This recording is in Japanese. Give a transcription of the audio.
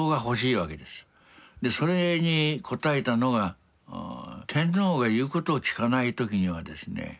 それに応えたのが天皇が言うことを聞かない時にはですね